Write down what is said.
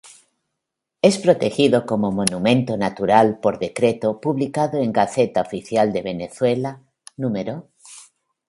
Es protegido como monumento natural por decreto publicado en Gaceta Oficial de Venezuela, No.